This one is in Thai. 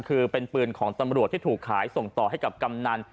คือเป็นปืนของตำรวจที่ถูกขายส่งต่อให้กับกำนัน